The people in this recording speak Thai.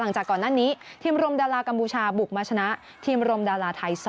จากก่อนหน้านี้ทีมรมดารากัมพูชาบุกมาชนะทีมรมดาราไทย๒